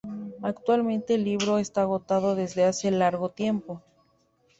Actualmente el libro está agotado desde hace largo tiempo.